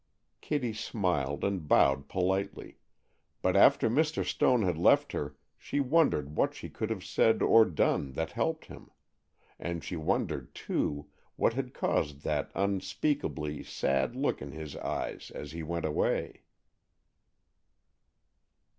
Kitty smiled and bowed politely, but after Mr. Stone had left her she wondered what she could have said or done that helped him; and she wondered, too, what had caused that unspeakably sad look in his eyes as he went away.